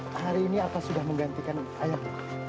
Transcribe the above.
pak hari ini apa sudah menggantikan ayah